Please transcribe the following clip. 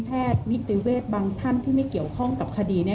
แล้วก็มีแพทย์วิติเวศบางท่านที่ไม่เกี่ยวข้องกับคดี